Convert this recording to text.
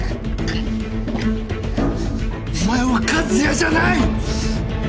お前は和也じゃない！